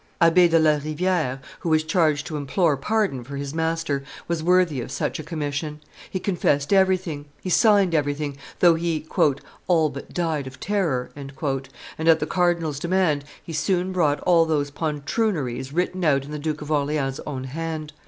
Abbe de La Riviere, who was charged to implore pardon for his master, was worthy of such a commission: he confessed everything, he signed everything, though he "all but died of terror," and, at the cardinal's demand, he soon brought all those poltrooneries written out in the Duke of Orleans' own hand.